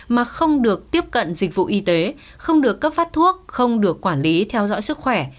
mà không được tiếp cận dịch vụ y tế không được cấp phát thuốc không được quản lý theo dõi sức khỏe